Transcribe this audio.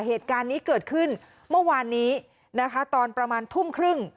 เหตุการณ์นี้เกิดขึ้นเมื่อวานนี้นะคะตอนประมาณทุ่มครึ่ง